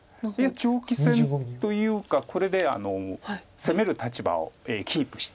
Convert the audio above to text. いや長期戦というかこれで攻める立場をキープしていれば。